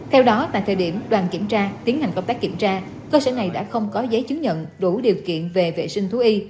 theo đó tại thời điểm đoàn kiểm tra tiến hành công tác kiểm tra cơ sở này đã không có giấy chứng nhận đủ điều kiện về vệ sinh thú y